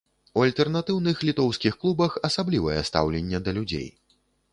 У альтэрнатыўных літоўскіх клубах асаблівае стаўленне да людзей.